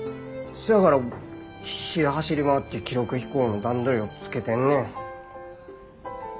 そやから必死で走り回って記録飛行の段取りをつけてんねん。